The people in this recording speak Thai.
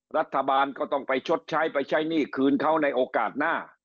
รัฐบาลก็ต้องไปชดใช้ไปใช้หนี้คืนเขาในโอกาสหน้า